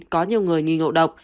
có nhiều người nghi ngộ độc